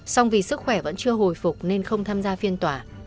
song vì sức khỏe vẫn chưa hồi phục nên không tham gia phiên tòa